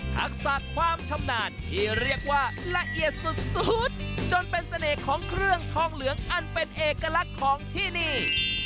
ทักษะความชำนาญที่เรียกว่าละเอียดสุดจนเป็นเสน่ห์ของเครื่องทองเหลืองอันเป็นเอกลักษณ์ของที่นี่